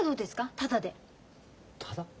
ただ？